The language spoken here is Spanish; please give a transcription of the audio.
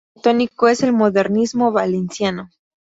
Su estilo arquitectónico es el modernismo valenciano.